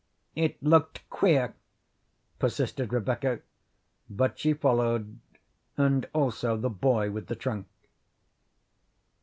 "It looked queer," persisted Rebecca, but she followed, and also the boy with the trunk.